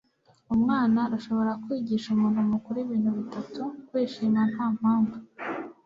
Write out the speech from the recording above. umwana arashobora kwigisha umuntu mukuru ibintu bitatu kwishima nta mpamvu